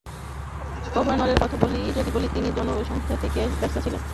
গভর্নরের কথা যদি বলি, তিনি জনসংযোগেই বেশি ব্যস্ত ছিলেন, ব্যাংক ব্যবস্থাপনায় নয়।